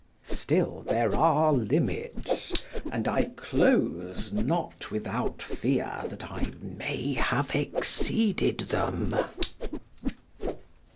Still there are limits, and I close not without fear that I may have exceeded them.